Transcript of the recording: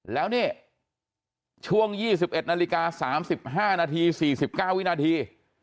แล้วนี่ช่วง๒๑นาฬิกา๓๕นาที๔๙วินาที